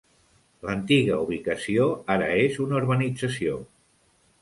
L'antiga ubicació ara és una urbanització.